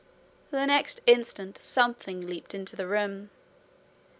The next instant something leaped into the room.